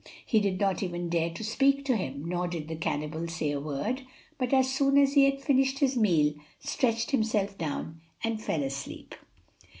He did not even dare to speak to him, nor did the cannibal say a word, but as soon as he had finished his meal, stretched himself down and fell asleep.